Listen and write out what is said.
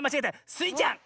スイちゃん！